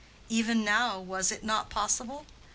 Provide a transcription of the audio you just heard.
Even now was it not possible?